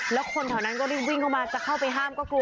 แล้วคนแถวนั้นก็รีบวิ่งเข้ามาจะเข้าไปห้ามก็กลัว